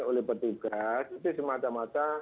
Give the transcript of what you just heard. oleh petugas itu semata mata